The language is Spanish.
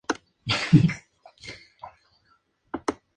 Vive en Londres.